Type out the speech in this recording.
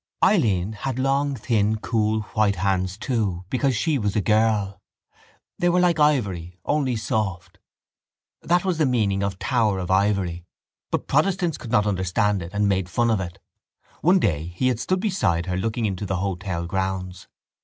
Eileen had long thin cool white hands too because she was a girl. They were like ivory; only soft. That was the meaning of Tower of Ivory but protestants could not understand it and made fun of it. One day he had stood beside her looking into the hotel grounds.